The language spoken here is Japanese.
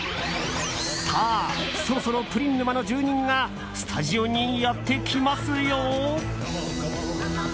さあ、そろそろプリン沼の住人がスタジオにやってきますよ。